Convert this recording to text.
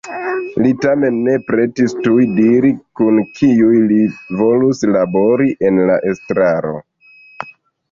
Li tamen ne pretis tuj diri kun kiuj li volus labori en la estraro.